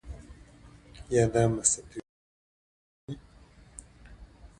د ریګ دښتې د افغانستان د ځانګړي ډول جغرافیه استازیتوب کوي.